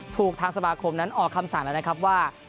ถูกทางสมาคมนั้นออกคำสั่งแล้วนะครับว่า